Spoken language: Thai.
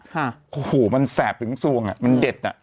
หัวผมันแสบถึงซวงมันเก็บ